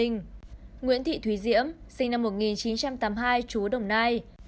nguyễn thị thùy diễm sinh năm một nghìn chín trăm tám mươi hai chú đồng nai